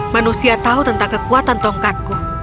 manusia tahu tentang kekuatan tongkatku